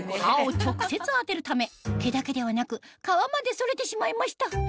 刃を直接当てるため毛だけではなく皮まで剃れてしまいました